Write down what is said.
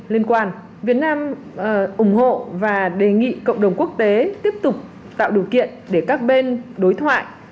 liên quan việt nam ủng hộ và đề nghị cộng đồng quốc tế tiếp tục tạo điều kiện để các bên đối thoại